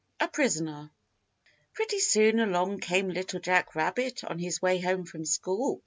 A PRISONER PRETTY soon along came Little Jack Rabbit on his way home from school.